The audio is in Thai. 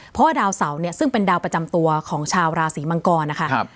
เพราะว่าดาวเสาเนี่ยซึ่งเป็นดาวประจำตัวของชาวราศีมังกรนะคะ